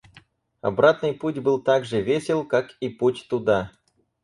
Обратный путь был так же весел, как и путь туда.